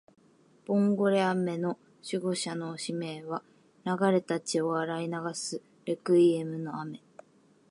ボンゴレ雨の守護者の使命は、流れた血を洗い流す鎮魂歌の雨